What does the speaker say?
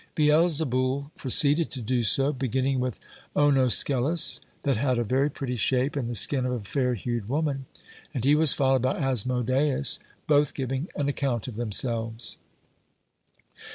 Beelzeboul proceeded to do so, beginning with Onoskelis, that had a very pretty shape and the skin of a fair hued woman, and he was followed by Asmodeus; both giving an account of themselves.